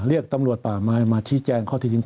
เรียกตำรวจป่าไม้มาชี้แจงข้อที่จริง